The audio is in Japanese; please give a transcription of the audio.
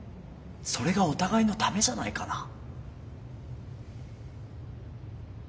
それがお互いのためじゃないかな？